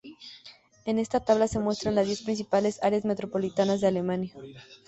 En esta tabla se muestran las diez principales áreas metropolitanas de Alemania.